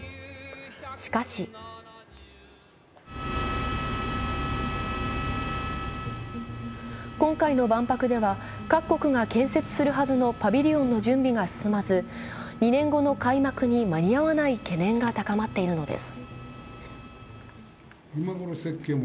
しかし今回の万博では各国が建設するはずのパビリオンの準備が進まず２年後の開幕に間に合わない懸念が高まっているのです。